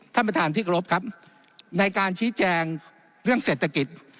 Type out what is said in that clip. ท่านประธานที่กรบครับในการชี้แจงเรื่องเศรษฐกิจ